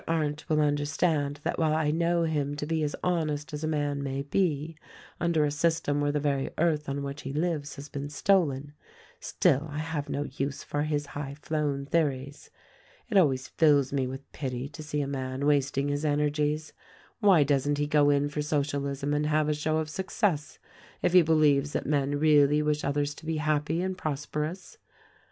Arndt will understand that while I know him to be as honest as a man may be under a system where the very earth on which he lives has been stolen, still I have no use for his high flown theories. It always fills me with pity to see a man wasting his energies. Why doesn't he go in for Socialism and have a show of success, if he believes that men really wish others to be happy and prosperous.